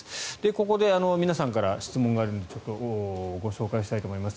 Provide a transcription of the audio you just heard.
ここで皆さんから質問があるのでちょっとご紹介したいと思います。